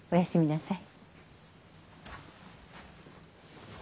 お休みなさい。